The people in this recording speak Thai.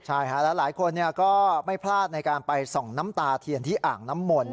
ใช่ค่ะแล้วหลายคนก็ไม่พลาดในการไปส่องน้ำตาเทียนที่อ่างน้ำมนต์